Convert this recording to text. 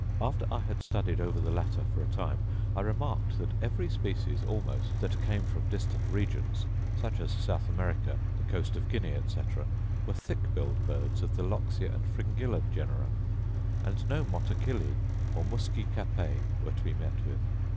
After I had studied over the latter for a time, I remarked that every species almost that came from distant regions, such as South America, the coast of Guinea, etc., were thick billed birds of the loxia and fringilla genera; and no motacillae, or muscicapae, were to be met with.